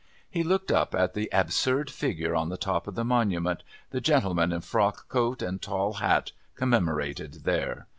He looked up at the absurd figure on the top of the monument, the gentleman in frock coat and tall hat commemorated there.